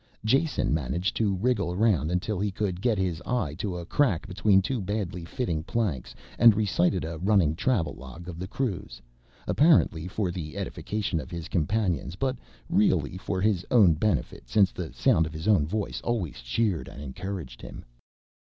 Jason managed to wriggle around until he could get his eye to a crack between two badly fitting planks and recited a running travelogue of the cruise, apparently for the edification of his companions, but really for his own benefit since the sound of his own voice always cheered and encouraged him.